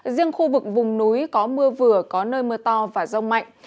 riêng khu vực vùng núi có mưa vừa có nơi mưa to và rông mạnh